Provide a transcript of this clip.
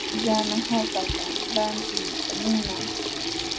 Yana hakatami rantiyta munaa.